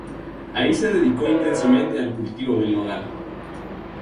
Ahí se dedicó intensamente al cultivo del nogal.